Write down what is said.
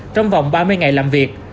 trong vòng ba mươi ngày làm việc